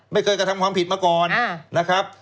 ไม่เคยกระทำความผิดมาก่อนนะครับ